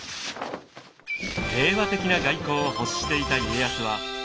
平和的な外交を欲していた家康は彼らを支持。